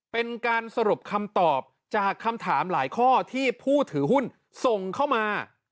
เป็นการสรุปคำตอบจากคำถามหลายข้อที่ผู้ถือหุ้นส่งเข้ามา